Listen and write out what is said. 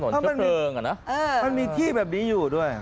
เครื่องเลิงอ่ะนะมันมีที่แบบนี้อยู่ด้วย